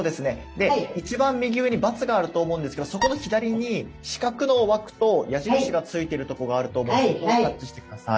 で一番右上に×があると思うんですけどそこの左に四角の枠と矢印がついているとこがあると思うんでそこをタッチして下さい。